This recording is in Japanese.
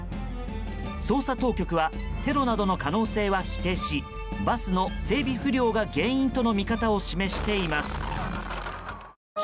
捜査当局はテロなどの可能性は否定しバスの整備不良が原因との見方を示しています。